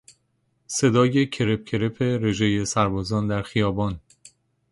صدای کرپ کرپ رژهی سربازان در خیابان